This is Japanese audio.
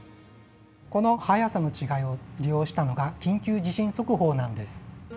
この速さの違いを利用したのが緊急地震速報なんです。